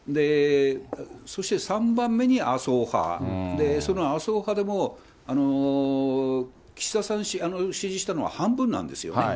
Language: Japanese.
そして３番目に麻生派、その麻生派でも、岸田さん支持したのは半分なんですよね。